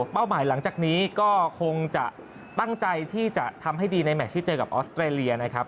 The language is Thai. เป้าหมายหลังจากนี้ก็คงจะตั้งใจที่จะทำให้ดีในแมชที่เจอกับออสเตรเลียนะครับ